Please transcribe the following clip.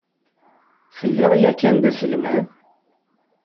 Telliḍ yakan d aselmad?